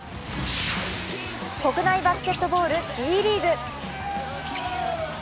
国内バスケットボールＢリーグ。